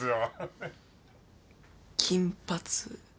金髪。